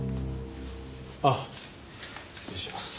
あっ失礼します。